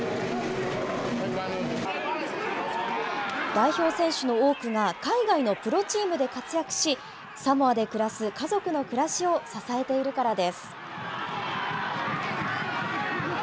代表選手の多くが、海外のプロチームで活躍し、サモアで暮らす家族の暮らしを支えているからです。